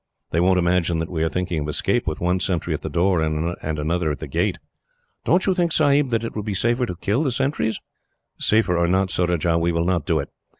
They won't imagine that we are thinking of escape, with one sentry at the door, and another at the gate." "Don't you think, Sahib, that it would be safer to kill the sentries?" "Safer or not, Surajah, we will not do it.